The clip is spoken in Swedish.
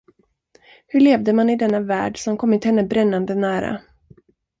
Hur levde man i denna värld som kommit henne brännande nära?